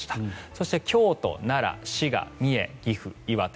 そして京都、奈良滋賀、三重、岐阜、岩手。